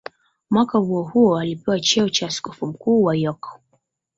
Mwaka huohuo alipewa cheo cha askofu mkuu wa York.